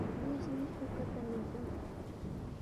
Luismi uqata mikun.